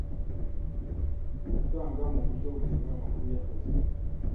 gutanga mu buryo butemewe amakuru y’akazi ;